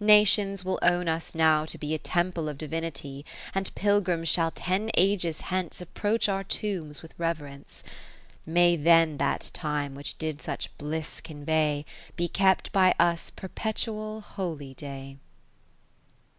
Nations will own us now to be A Temple of Divinity ; 20 And pilgrims shall ten ages hence Approach our tombs with reverence. May then that time which did such bliss convey. Be kept by us perpetual Holy day.